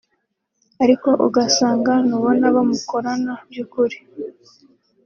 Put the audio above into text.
ariko ugasanga ntubona abo mukorana b’ukuri